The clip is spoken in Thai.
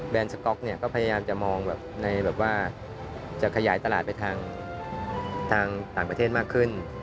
แบรนด์สก๊อกก็พยายามจะมองแบบว่าจะขยายตลาดไปทางต่างประเทศมากขึ้น